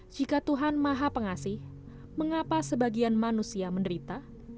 jika tuhan maha pengasih mengapa sebagian manusia menderita